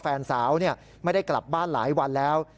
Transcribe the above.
แฟนสาวไม่ได้กลับบ้านหลายวันแล้ว